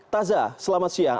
tazah selamat siang